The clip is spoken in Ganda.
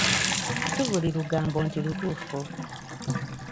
Si buli lugambo nti ntuufu.